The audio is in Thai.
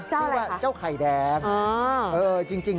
เจ้าอะไรคะเจ้าไข่แดงเออจริง